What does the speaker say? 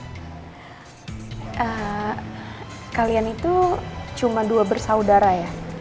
kalian itu cuma dua bersaudara ya